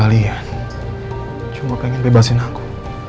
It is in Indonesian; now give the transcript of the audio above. kalian cuma pengen bebasin aku